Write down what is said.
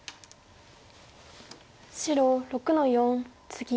白６の四ツギ。